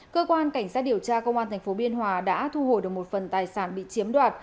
cơ quan cảnh sát điều tra công an tp biên hòa đã thu hồi được một phần tài sản bị chiếm đoạt